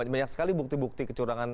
banyak sekali bukti bukti kecurangan